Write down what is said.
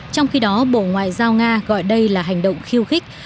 trong khi đó bộ ngoại giao nga gọi đây là hành động khiêu khích